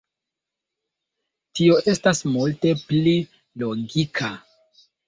Tio estas multe pli logika!